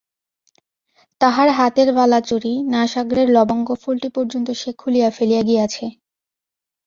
তাহার হাতের বালাচুড়ি, নাসাগ্রের লবঙ্গফুলটি পর্যন্ত সে খুলিয়া ফেলিয়া গিয়াছে।